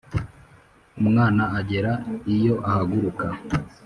umwana agera iyo ahaguruka;